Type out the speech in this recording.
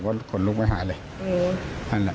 ผมเลยขนลุกมันหายเลย